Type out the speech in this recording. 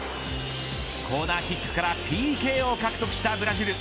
コーナーキックからＰＫを獲得したブラジル。